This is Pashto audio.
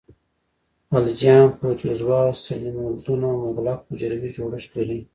الجیان، پروتوزوا او سلیمولدونه مغلق حجروي جوړښت لري.